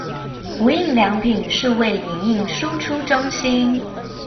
無印良品數位影印輸出中心